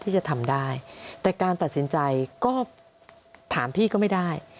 ที่จะทำได้แต่การตัดสินใจก็ถามพี่ก็ไม่ได้